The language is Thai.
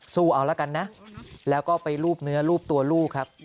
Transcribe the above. สู้เอาละกันนะแล้วก็ไปรูปเนื้อรูปตัวลูกครับ